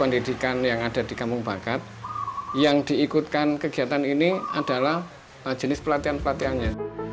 pendidikan yang ada di kampung bakat yang diikutkan kegiatan ini adalah jenis pelatihan pelatihannya